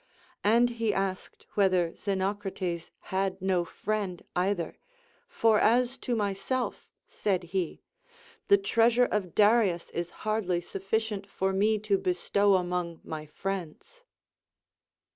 And he asked whether Xeno crates had no friend either ; For as to myself, said he, the treasure of Darius is hardly sufficient for me to bestow among my friends.